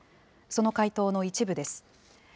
その回答の一部です。